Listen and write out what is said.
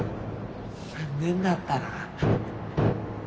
残念だったな